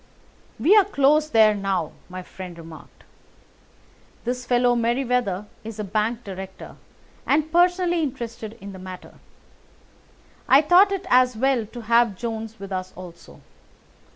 "We are close there now," my friend remarked. "This fellow Merryweather is a bank director, and personally interested in the matter. I thought it as well to have Jones with us also.